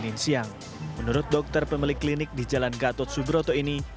pada pagi dan siang menurut dokter pemilik klinik di jalan gatot subroto ini